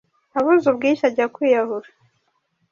Abuze ubwishyu ajya kwyahura